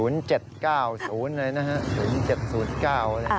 ๐๗๙๐เลยนะฮะ